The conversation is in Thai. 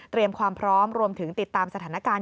ความพร้อมรวมถึงติดตามสถานการณ์